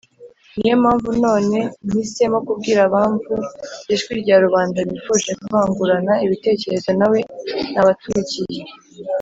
Niyo mpamvu none mpisemo kubwira abumva Ijwi Rya Rubanda bifuje kwungurana ibitekerezo nawe nabatumikiye